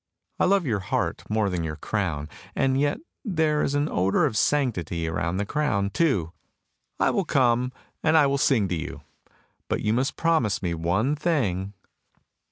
I love your heart more than your crown, and yet there is an odour of sanctity round the crown too! — I will come, and I will sing to you! — But you must promise me one thing!